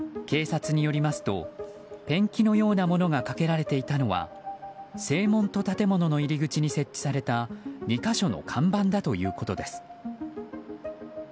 警察によりますとペンキのようなものがかけられていたのは正門と建物の入り口に設置された２か所の看板だということです。